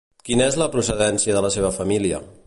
Quina és la procedència de la seva família?